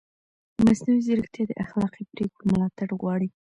مصنوعي ځیرکتیا د اخلاقي پرېکړو ملاتړ غواړي.